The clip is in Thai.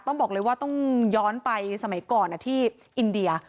ต้องบอกเลยว่าต้องย้อนไปสมัยก่อนที่อินเดีย